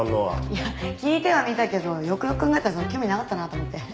いや聞いてはみたけどよくよく考えたらそんな興味なかったなと思って。